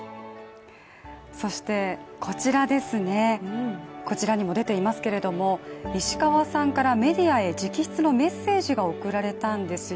そしてこちらですね、こちらにも出ていますけれども石川さんからメディアへ直筆のメッセージが送られたんですよ。